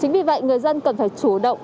chính vì vậy người dân cần phải chủ động